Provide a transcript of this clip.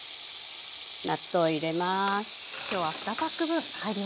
納豆入れます。